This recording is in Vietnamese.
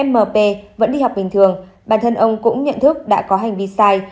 mp vẫn đi học bình thường bản thân ông cũng nhận thức đã có hành vi sai